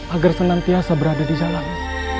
agar senantiasa berada di jalan